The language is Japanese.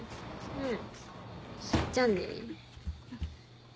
うん。